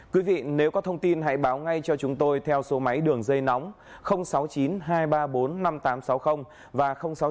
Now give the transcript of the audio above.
quý vị nếu có thông tin hãy báo ngay cho chúng tôi theo số máy đường dây nóng sáu mươi chín hai trăm ba mươi bốn năm nghìn tám trăm sáu mươi và sáu mươi chín hai trăm ba mươi hai